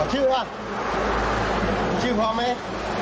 เอาชื่อค่ะชื่อพร้อมไหม